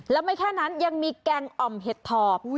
แล้วไม่แค่นั้นยังมีแกงอ่อมเห็ดถอบ